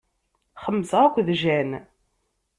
Xemmseɣ akked Jane.